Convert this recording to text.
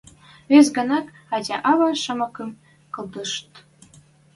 Вес гӓнӓк ӓтя-ӓвӓ шамакым колышт!